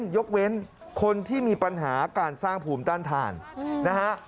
ยกเว้นคนที่มีปัญหาการสร้างภูมิต้านทานนะฮะ